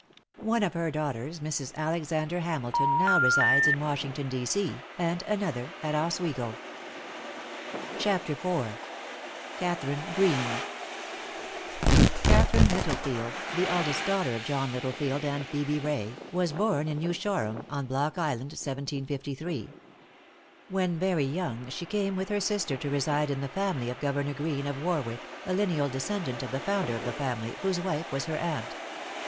One of her daughters, Mrs. Alexander Hamilton, now resides in Washington, D. C., and another at Oswego. IV. CATHARINE GREENE. |Catharine Littlefield, the eldest daughter of John Littlefield and Phebe Ray, was born in New Shore ham, on Block Island, 1753. When very young, she came with her sister to reside in the family of Governor Greene, of Warwick, a lineal descendant of the founder of the family, whose wife was her aunt.